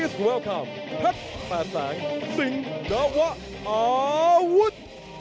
ขอบคุณค่ะภัทรศักดิ์สิงฆ์ดาวะอาวุธ